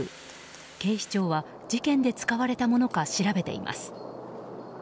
警視庁は事件で使われたものか調べています。